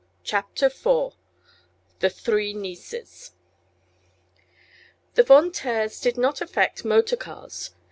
CHAPTER IV THE THREE NIECES The Von Taers did not affect motor cars.